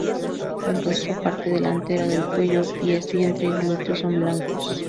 El rostro, parte delantera del cuello, pies, vientre y glúteos son blancos.